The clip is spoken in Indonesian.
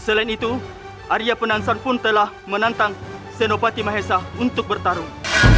selain itu arya penanson pun telah menantang senopati mahesa untuk bertarung